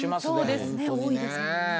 そうですね多いですもんね。